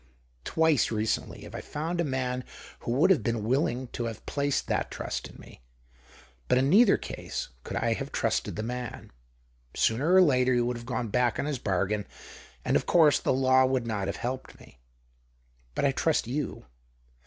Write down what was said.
Twice recently have I found a man who would have been willinoj 110 THE OCTAVE OF CLAUDIUS. to have placed that trust in me ; but in neither case could I have trusted the man. Sooner or later he would have gone back on his bargain, and, of course, the law would not have helped me. But I trust you.